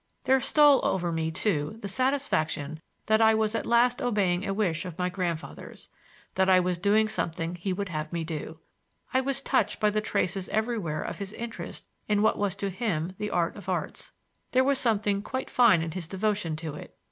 There stole over me, too, the satisfaction that I was at last obeying a wish of my grandfather's, that I was doing something he would have me do. I was touched by the traces everywhere of his interest in what was to him the art of arts; there was something quite fine in his devotion to it.